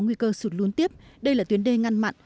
nguy cơ sụt lún tiếp đây là tuyến đê ngăn mặn